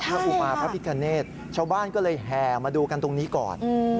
อุมาพระพิกาเนตชาวบ้านก็เลยแห่มาดูกันตรงนี้ก่อน